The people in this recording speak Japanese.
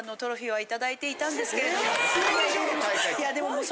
はい。